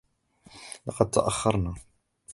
لقد تأخرنا.